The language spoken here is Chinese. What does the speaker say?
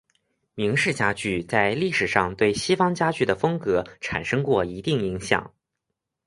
明式家具在历史上对西方家具的风格产生过一定影响。